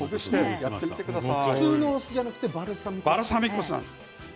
普通のお酢じゃなくてバルサミコ酢なんですね。